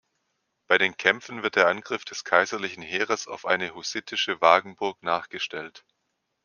Bei den Kämpfen wird der Angriff des Kaiserlichen Heeres auf eine hussitische Wagenburg nachgestellt.